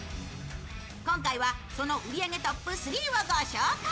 今回はその売り上げトップ３をご紹介。